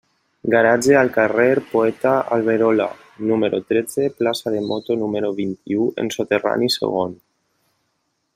Garatge al carrer Poeta Alberola, número tretze, plaça de moto número vint-i-u en soterrani segon.